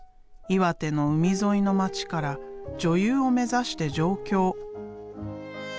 岩手の海沿いの町から女優を目指して上京。